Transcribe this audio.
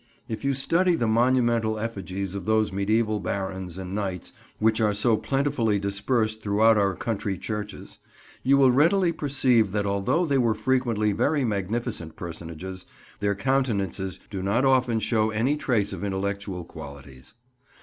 If you study the monumental effigies of those mediæval barons and knights which are so plentifully dispersed throughout our country churches, you will readily perceive that although they were frequently very magnificent personages, their countenances do not often show any trace of intellectual qualities.